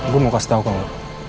gue mau kasih tahu kamu